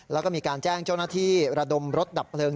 แล้วก็มีการแจ้งเจ้าหน้าที่ระดมรถดับเพลิง